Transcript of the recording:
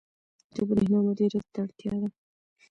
• د برېښنا مدیریت ته اړتیا ده.